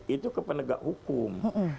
itu ke penegak hukum